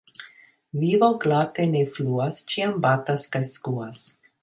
Vivo glate ne fluas, ĉiam batas kaj skuas.